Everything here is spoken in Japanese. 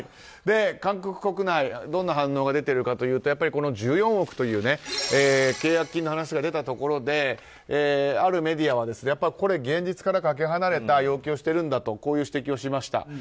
韓国国内どんな反応が出ているかというと１４億という契約金の話が出たところであるメディアは現実からかけ離れた要求をしているんだとこういう指摘をしました。